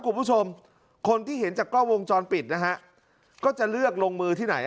คุณผู้ชมคนที่เห็นจากกล้องวงจรปิดนะฮะก็จะเลือกลงมือที่ไหน